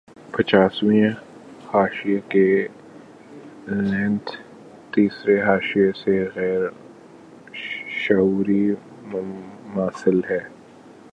پچاسویں حاشیے کی لینتھ تیسرے حاشیے سے غیر شعوری مماثل ہے